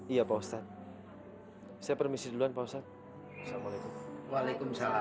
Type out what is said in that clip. iya pak ustadz saya permisi duluan pak ustadz assalamualaikum